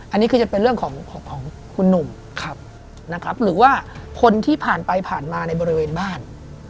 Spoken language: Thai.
อันนี้คือจะเป็นเรื่องของของคุณหนุ่มนะครับหรือว่าคนที่ผ่านไปผ่านมาในบริเวณบ้าน